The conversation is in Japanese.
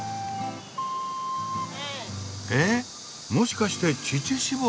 えっもしかして乳搾り？